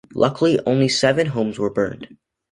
Luckily, only seven homes were burned.